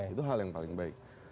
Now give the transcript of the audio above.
itu hal yang paling baik